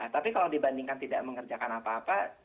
tapi kalau dibandingkan tidak mengerjakan apa apa